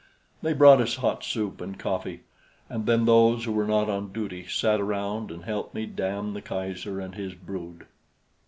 They brought us hot soup and coffee, and then those who were not on duty sat around and helped me damn the Kaiser and his brood.